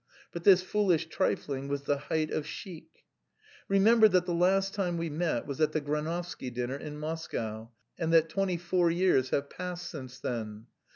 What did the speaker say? But this foolish trifling was the height of "chic." "Remember that the last time we met was at the Granovsky dinner in Moscow, and that twenty four years have passed since then..."